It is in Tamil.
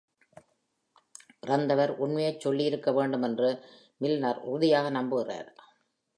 இறந்தவர் உண்மையைச் சொல்லியிருக்க வேண்டும் என்று மில்னர் உறுதியாக நம்புகிறார்.